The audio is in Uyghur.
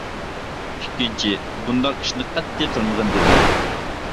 ئىككىنچى بۇنداق ئىشنى قەتئىي قىلمىغىن, دېدى.